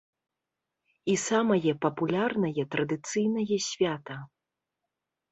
І самае папулярнае традыцыйнае свята.